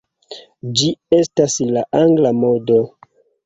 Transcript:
Ĝi estas la Angla modo.